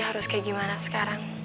harus kayak gimana sekarang